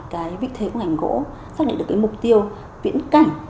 cái vị thế của ngành gỗ xác định được cái mục tiêu viễn cảnh